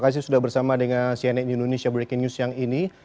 terima kasih sudah bersama dengan cnn indonesia breaking news yang ini